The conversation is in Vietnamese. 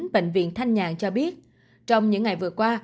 bệnh viện thanh nhàn cho biết trong những ngày vừa qua